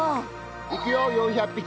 いくよ４００匹。